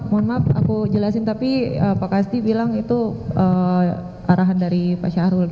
mohon maaf aku jelasin tapi pak kasti bilang itu arahan dari pak syahrul